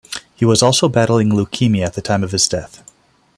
He was also battling leukemia at the time of his death.